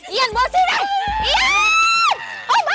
ian bawa sini